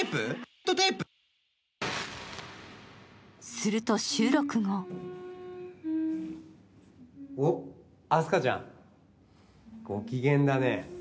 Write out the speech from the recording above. すると収録後おっ、あすかちゃん、ご機嫌だね。